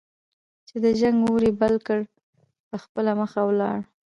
چې د جنګ اور یې بل کړ په خپله مخه ولاړ.